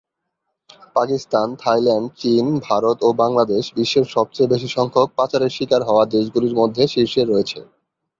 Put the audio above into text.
Pakistan, Thailand, চীন, ভারত ও বাংলাদেশ বিশ্বের সবচেয়ে বেশি সংখ্যক পাচারের শিকার হওয়া দেশগুলির মধ্যে শীর্ষ দশে রয়েছে।